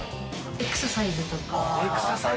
エクササイズかぁ。